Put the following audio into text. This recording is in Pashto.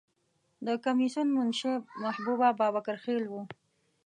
د کمیسیون منشی محبوبه بابکر خیل وه.